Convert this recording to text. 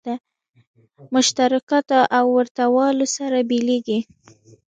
مشترکاتو او ورته والو سره بېلېږي.